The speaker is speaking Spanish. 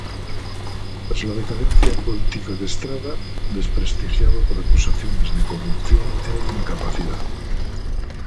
Tras la decadencia política de Estrada, desprestigiado por acusaciones de corrupción e incapacidad.